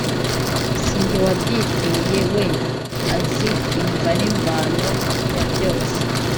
sinjye wabyiteye we azi imvo n’imvano ya byose